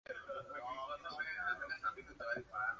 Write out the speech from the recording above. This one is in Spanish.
Escribió muchas tragedias, el cual era bien recibido en los juegos.